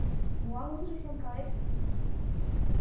Молан утыжым шонкалет?